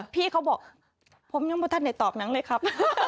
พี่เขาบอกผมยังไม่ทันได้ตอบหนังเลยครับ